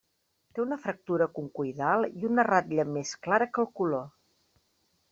Té una fractura concoidal i una ratlla més clara que el color.